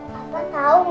papa tau gak